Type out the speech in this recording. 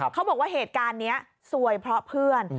เขาบอกว่าเหตุการณ์นี้ซวยเพราะเพื่อน